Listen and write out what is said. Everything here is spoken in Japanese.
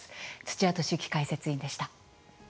土屋敏之解説委員でした。